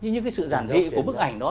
nhưng cái sự giản dị của bức ảnh đó